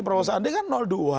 prabowo sandi kan dua